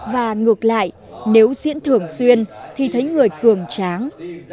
và ngược lại nếu diễn thường xuyên thì thấy người cường tráng